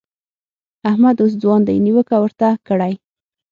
احمد اوس ځوان دی؛ نيوکه ورته کړئ.